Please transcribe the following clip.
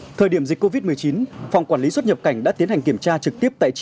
ở thời điểm dịch cô viết một mươi chín phòng quản lý xuất nhập cảnh đã tiến hành kiểm tra trực tiếp tại